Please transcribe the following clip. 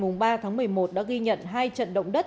ngày ba tháng một mươi một đã ghi nhận hai trận động đất